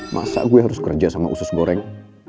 masa gue harus kerja sama usus goreng